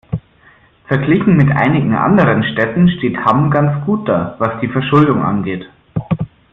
Verglichen mit einigen anderen Städten steht Hamm ganz gut da, was die Verschuldung angeht.